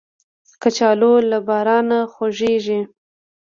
کچالو له بارانه خوښیږي